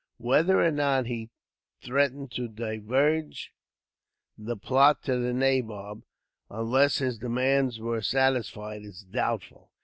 Whether or not he threatened to divulge the plot to the nabob, unless his demands were satisfied, is doubtful.